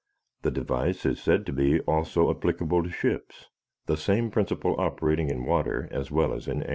The device is said to be also applicable to ships, the same principle operating in water as well as air.